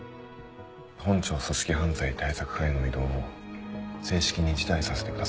本庁組織犯罪対策課への異動を正式に辞退させてください。